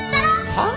はっ？